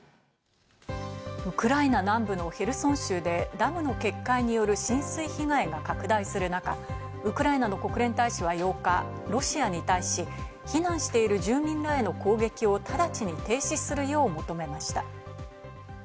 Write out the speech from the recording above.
ウクライナ南部のヘルソン州でダムの決壊による浸水被害が拡大する中、ウクライナの国連大使は８日、ロシアに対し、避難している住民らへの攻撃を直ちに停止するよう求めました。